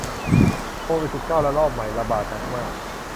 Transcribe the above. โควิดสิบเก้าระลอกใหม่ระบาดหนักมาก